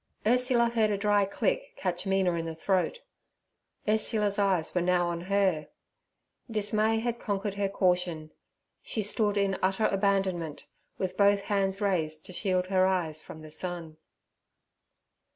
Ursula heard a dry click catch Mina in the throat. Ursula's eyes were now on her. Dismay had conquered her caution; she stood in utter abandonment, with both hands raised to shield her eyes from the sun.